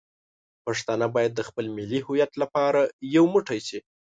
پښتانه باید د خپل ملي هویت لپاره یو موټی شي.